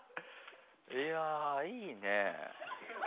いやぁいいね。